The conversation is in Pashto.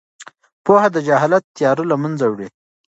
پوهه د جهالت تیاره له منځه وړي.